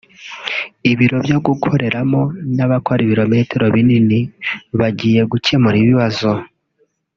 ibiro byo gukoreramo n’abakora ibirometero binini bagiye gukemura ibibazo